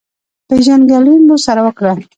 پېژندګلوي مو ورسره وکړه.